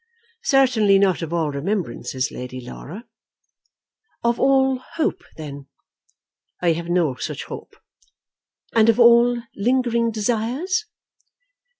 "Certainly not of all remembrances, Lady Laura." "Of all hope, then?" "I have no such hope." "And of all lingering desires?"